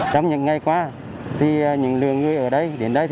trong những ngày qua những lượng người ở đây đến đây